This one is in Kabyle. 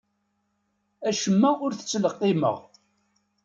Acemma ur t-ttleqqimeɣ.